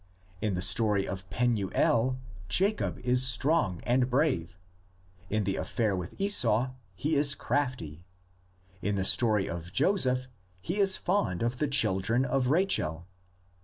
In the story of Penuel, Jacob is strong and brave, in the affair with Esau he is crafty, in the story of Joseph he is fond of the children of Rachel.